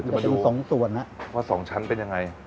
เดี๋ยวเราจะมาดูว่า๒ชั้นเป็นยังไง